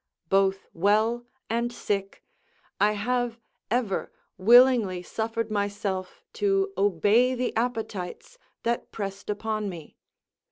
Both well and sick, I have ever willingly suffered myself to obey the appetites that pressed upon me.